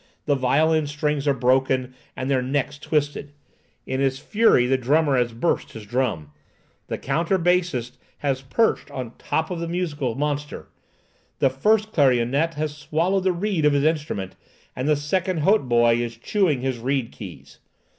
The violin strings are broken, and their necks twisted. In his fury the drummer has burst his drum. The counter bassist has perched on the top of his musical monster. The first clarionet has swallowed the reed of his instrument, and the second hautboy is chewing his reed keys.